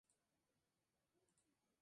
Murió sin sucesión.